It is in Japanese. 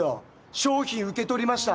「商品受け取りました」